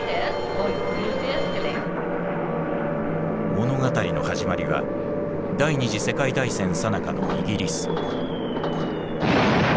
物語の始まりは第２次世界大戦さなかのイギリス。